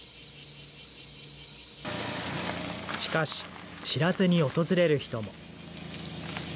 しかし、知らずに訪れる人も。